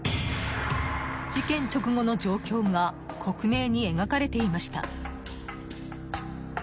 事件直後の状況が克明に描かれていました。